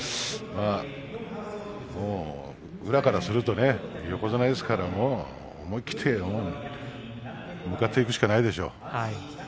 もう宇良からすると横綱相手ですから思い切って向かっていくしかないでしょう。